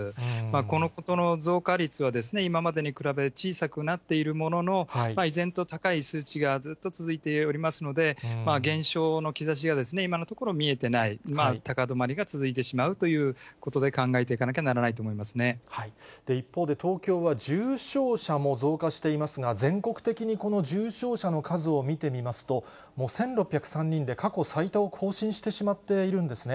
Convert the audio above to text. このことの増加率は、今までに比べ、小さくなっているものの、依然と高い数値がずっと続いておりますので、減少の兆しが今のところ見えてない、高止まりが続いてしまうということで考えていかなきゃならないと一方で東京は重症者も増加していますが、全国的にこの重症者の数を見てみますと、もう１６０３人で、過去最多を更新してしまっているんですね。